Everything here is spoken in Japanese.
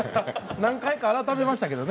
何回か改めましたけどね。